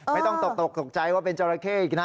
ไม่ต้องตกตกตกใจว่าเป็นจราเข้อีกนะ